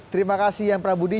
terima kasih yang prabudi